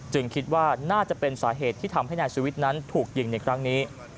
คิดว่าน่าจะเป็นสาเหตุที่ทำให้นายสุวิทย์นั้นถูกยิงในครั้งนี้